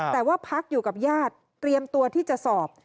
แต่ว่าพักอยู่กับญาติเตรียมตัวที่จะสอบ